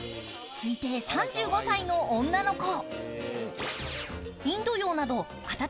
推定３５ぐらいの女の子。